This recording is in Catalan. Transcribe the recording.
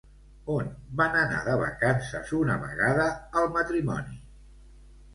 On van anar de vacances una vegada, el matrimoni?